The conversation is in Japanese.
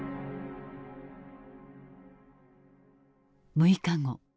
６日後。